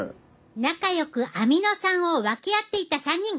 仲良くアミノ酸を分け合っていた３人。